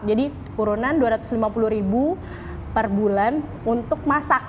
jadi urunan dua ratus lima puluh ribu per bulan untuk masak